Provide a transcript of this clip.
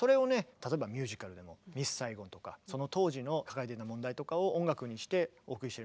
例えばミュージカルでも「ミス・サイゴン」とかその当時の抱えてた問題とかを音楽にしてお送りしてる。